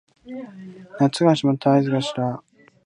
夏が始まった合図がした